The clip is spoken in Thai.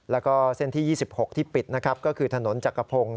และก็เส้นที่๒๖ที่ปิดก็คือถนนจักรพงศ์